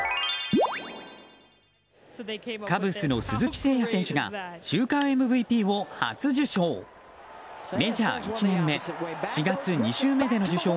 カブスの鈴木誠也選手が週間ＭＶＰを初受賞。